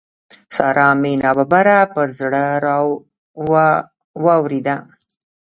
سارا مې ناببره پر زړه را واورېده.